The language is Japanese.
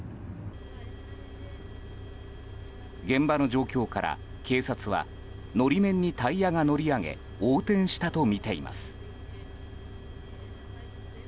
現場の状況から、警察は法面にタイヤが乗り上げ横転したとみています。